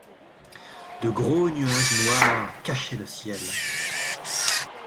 De gros nuages très noirs cachaient le ciel.